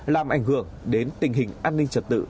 làm ảnh hưởng đến tình hình an ninh trật tự